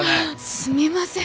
すみません